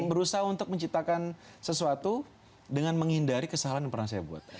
berusaha untuk menciptakan sesuatu dengan menghindari kesalahan yang pernah saya buat